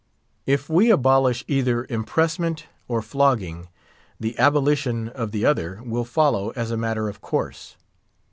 "If we abolish either impressment or flogging, the abolition of the other will follow as a matter of course."